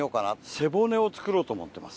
背骨を作ろうと思ってます。